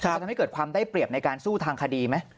จะทำให้เกิดความได้เปรียบในการสู้ทางคดีไหม